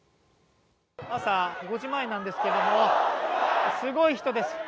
朝５時前なんですけどもすごい人です。